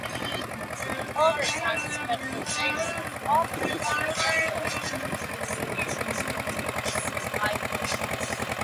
Over time, specializations often become essential to the species' continued survival.